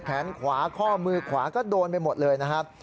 แขนขวาข้อมือขวาก็โดนไปหมดเลยนะครับ